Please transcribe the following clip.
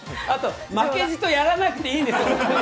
あと、負けじとやらなくていいんです。